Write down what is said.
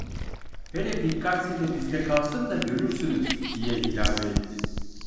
"Hele birkaç sene bizde kalsın da görürsünüz" diye ilave etti.